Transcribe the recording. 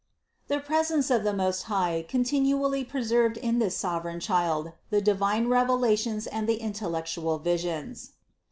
The presence of the Most High continually preserved in this sovereign Child the divine revelations and the intellectual visions.